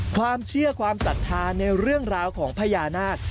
ความเชื่อความศรัทธาในเรื่องราวของพญานาค